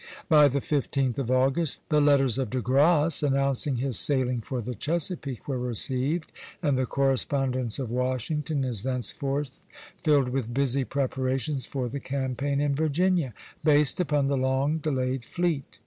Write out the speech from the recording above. By the 15th of August the letters of De Grasse announcing his sailing for the Chesapeake were received, and the correspondence of Washington is thenceforth filled with busy preparations for the campaign in Virginia, based upon the long delayed fleet.